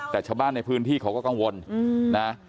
แต่ชาวบ้านในพื้นที่เขาก็กังวลนะ